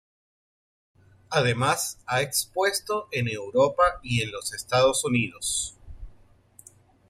Además ha expuesto en Europa y en los Estados Unidos.